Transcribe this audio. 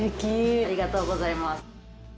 ありがとうございます。